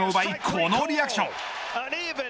このリアクション。